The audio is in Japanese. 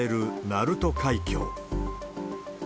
鳴門海峡。